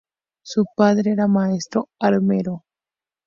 Su padre era maestro armero.